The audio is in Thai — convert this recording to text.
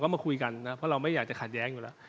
มาคุยกันนะเพราะเราไม่อยากจะขัดแย้งอยู่แล้ว